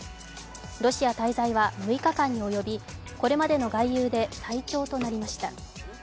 ロシア滞在は６日間に及び、これまでの外遊で最長となりました。